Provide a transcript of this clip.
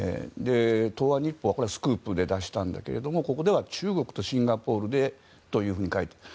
東亜日報はスクープで出したんだけれどもここでは中国とシンガポールでというふうに書いている。